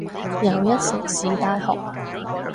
又一城市大學